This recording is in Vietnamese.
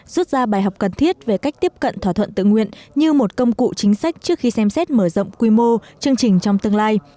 rút ra bài học cần thiết về cách tiếp cận thỏa thuận tự nguyện như một công cụ chính sách trước khi xem xét mở rộng quy mô chương trình trong tương lai